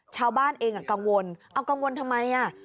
ชาวบ้านเองกังวลเอากังวลทำไมอ่ะ